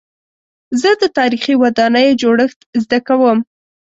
زه د تاریخي ودانیو جوړښت زده کوم.